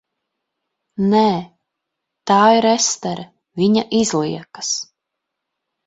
Nē. Tā ir Estere, viņa izliekas.